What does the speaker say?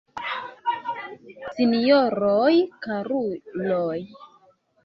Sinjoroj, karuloj!